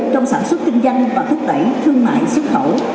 trong sản xuất kinh doanh và thúc đẩy thương mại xuất khẩu